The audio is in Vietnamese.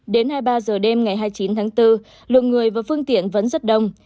đến hai mươi ba giờ đêm ngày hai mươi chín tháng bốn lượng người và phương tiện vẫn rất đông